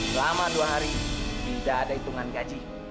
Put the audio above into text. selama dua hari tidak ada hitungan gaji